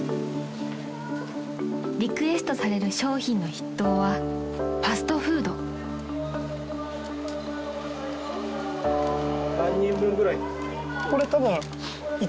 ［リクエストされる商品の筆頭はファストフード］何人分ぐらい？